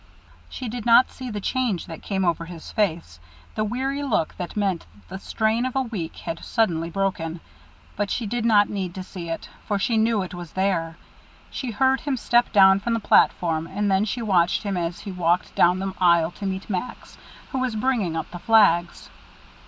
She did not see the change that came over his face, the weary look that meant that the strain of a week had suddenly broken, but she did not need to see it, for she knew it was there. She heard him step down from the platform, and then she watched him as he walked down the aisle to meet Max, who was bringing up the flags.